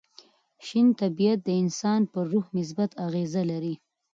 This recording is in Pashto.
شین طبیعت د انسان پر روح مثبت اغېزه لري.